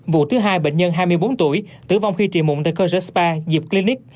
vụ thứ hai bệnh nhân hai mươi bốn tuổi tử vong khi trị mụn tại cơ sở spa dịp cllick